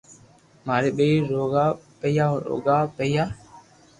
ماري ٻئير روگا پيئا روگا ئيئا